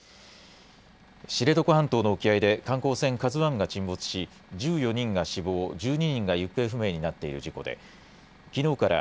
知床半島の沖合で、観光船ＫＡＺＵＩが沈没し、１４人が死亡、１２人が行方不明になっている事故で、きのうから、